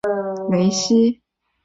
埃夫雷西。